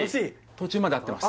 途中まで合ってます